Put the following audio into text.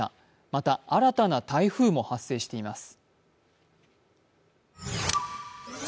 また、新たな台風も発生しています。